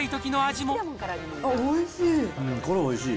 おいしい。